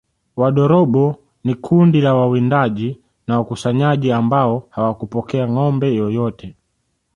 Wadorobo ni kundi la wawindaji na wakusanyaji ambao hawakupokea ngâombe yoyote